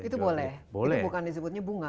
itu boleh itu bukan disebutnya bunga